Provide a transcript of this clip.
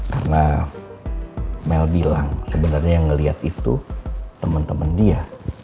karena mel bilang sebenernya yang ngeliat itu temen temen dia